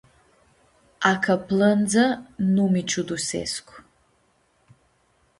A ca plãndzã nu mi ciudusescu.